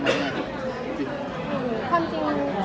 ได้มีน้องชื่อนีพวก